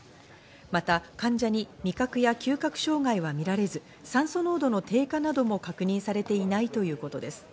また患者に味覚や嗅覚障害は見られず酸素濃度の低下なども確認されていないということです。